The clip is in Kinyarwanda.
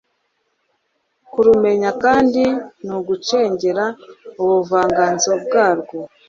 Kurumenya kandi ni ugucengera ubuvanganzo bwarwo